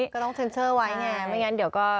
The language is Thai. ก็ต้องเซ็นเซอร์ไว้ไงไม่งั้นเดี๋ยวก็